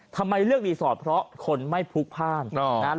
ทำไมเลือกรีสอร์ทเพราะคนไม่พลุกพ่าน